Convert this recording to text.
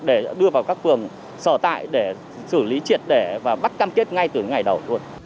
để đưa vào các phường sở tại để xử lý triệt để và bắt cam kết ngay từ những ngày đầu luôn